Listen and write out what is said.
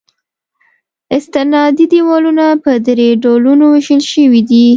استنادي دیوالونه په درې ډولونو ویشل شوي دي